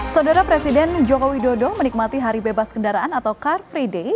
saudara presiden joko widodo menikmati hari bebas kendaraan atau car free day